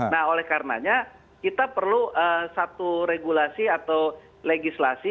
nah karena itu kita perlu satu regulasi atau legislasi